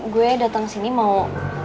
gue datang sini mau